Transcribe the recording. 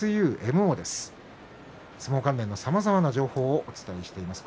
相撲関連のさまざまな情報をお伝えしています。